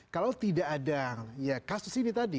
kalau tidak ada ya kasus ini tadi